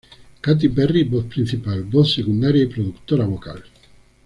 Katy Perry: Voz principal, voz secundaria y productora vocal.